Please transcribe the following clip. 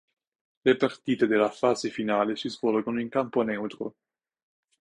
Le partite della fase finale si svolgono in campo neutro.